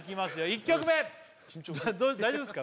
１曲目大丈夫っすか？